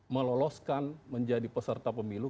meloloskan menjadi peserta pemilu